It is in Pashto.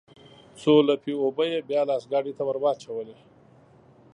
څو لپې اوبه يې بيا لاس ګاډي ته ورواچولې.